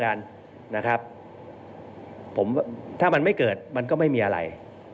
การจราชนถ้ามันไม่เกิดมันก็ไม่มีอะไร